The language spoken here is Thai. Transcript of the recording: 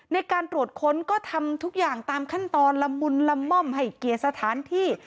ในการตรวจค้นก็ทำทุกอย่างตามขั้นตอนละมุนละม่อมให้เกียรติสถานที่